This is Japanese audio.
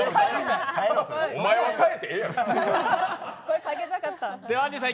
お前は変えてええやろ。